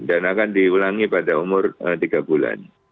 dan akan diulangi pada umur tiga bulan